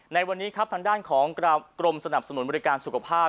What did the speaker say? ในวันนี้ครับทางด้านของกรมสนับสนุนบริการสุขภาพ